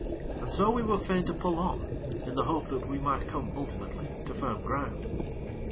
And so we were fain to pull on, in the hope that we might come ultimately to firm ground.